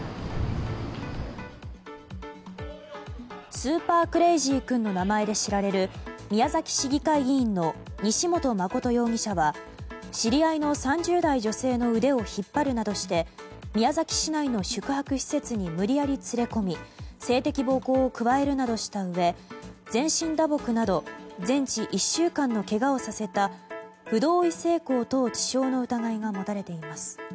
スーパークレイジー君の名前で知られる宮崎市議会議員の西本誠容疑者は知り合いの３０代女性の腕を引っ張るなどして宮崎市内の宿泊施設に無理やり連れ込み性的暴行を加えるなどしたうえ全身打撲など全治１週間のけがをさせた不同意性交等致傷の疑いが持たれています。